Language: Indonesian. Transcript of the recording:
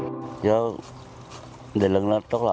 ya tidak ada yang menonton